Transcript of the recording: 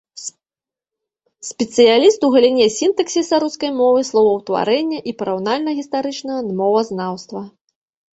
Спецыяліст у галіне сінтаксіса рускай мовы, словаўтварэння і параўнальна-гістарычнага мовазнаўства.